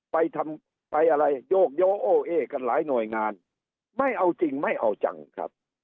ไปทำไปอะไรโยกโยโอ้เอกันหลายหน่วยงานไม่เอาจริงไม่เอาจังครับ